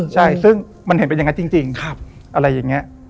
ใช่ถึงมันเห็นเป็นอย่างนั้นจริง